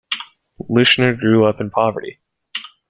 Leuschner grew up in poverty.